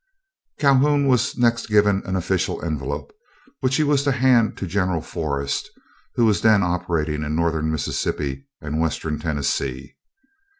Calhoun was next given an official envelope, which he was to hand to General Forrest, who was then operating in Northern Mississippi and Western Tennessee.